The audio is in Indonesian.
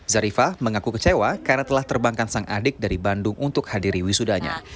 zarifah mengaku kecewa karena telah terbangkan sang adik dari bandung untuk hadiri wisudanya